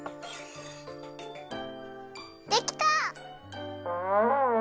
できた！